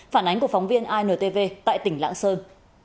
phản ánh của phóng viên intv tại tỉnh lạng sơn